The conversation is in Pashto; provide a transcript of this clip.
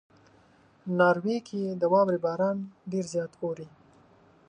ناروې کې د واورې باران ډېر زیات اوري.